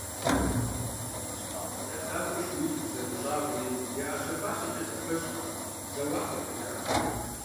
ФӀыуэ ялъагъуу шууитху зэдэщӀагъури я Ӏэщэ фащэкӀэ зэпэщу зэуакӀуэ дэкӀащ.